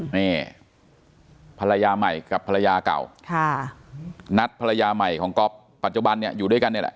นี่ภรรยาใหม่กับภรรยาเก่าค่ะนัดภรรยาใหม่ของก๊อฟปัจจุบันเนี่ยอยู่ด้วยกันนี่แหละ